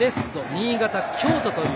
新潟、京都という